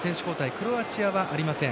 クロアチアはありません。